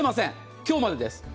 今日までです。